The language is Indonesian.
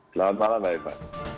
selamat malam mbak eva